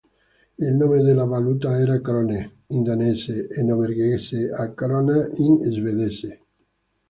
Il nome della valuta era "krone" in danese e norvegese, e "krona" in svedese.